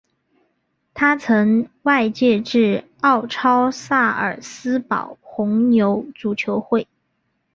他曾外借至奥超萨尔斯堡红牛足球会。